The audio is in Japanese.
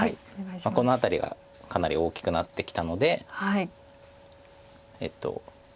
この辺りがかなり大きくなってきたのでえっと。